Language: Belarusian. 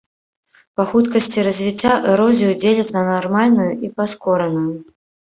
Па хуткасці развіцця эрозію дзеляць на нармальную і паскораную.